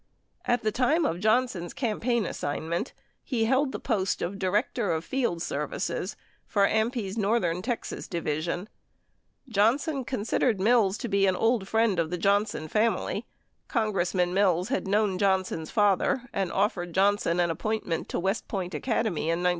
At the time, of Johnson's campaign assignment, he held the post of Director of Field Services for AMPI's northern Texas division. John son considered Mills to be an old friend of the Johnson family — Con gressman Mills had known Johnson's father and offered Johnson an appointment to the West Point Academy in 1947.